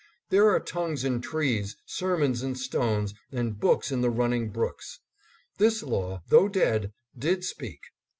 There are tongues in trees, sermons in stones, and books in the running brooks. This law, though dead, did speak.